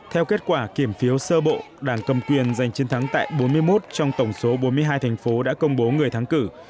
theo kết quả kiểm phiếu sơ bộ đảng cầm quyền giành chiến thắng tại bốn mươi một trong tổng số bốn mươi hai thành phố đã công bố người thắng cử